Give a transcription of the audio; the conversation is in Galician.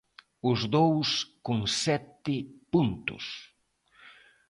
Os dous con sete puntos.